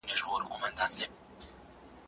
زړه مې سوری لکه غلبیل دی